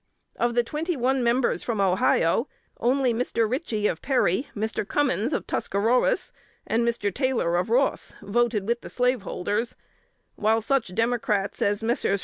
Of the twenty one members from Ohio, only Mr. Ritchey of Perry, Mr. Cummins of Tuscarawas, and Mr. Taylor of Ross, voted with the slaveholders; while such Democrats as Messrs.